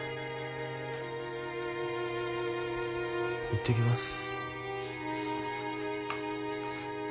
行ってきます。